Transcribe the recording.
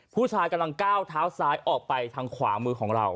ผู้ชายกำลังเก้าเท้าทางขวามือของเรา